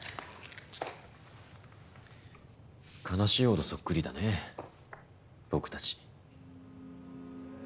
悲しいほどそっくりだね僕たち。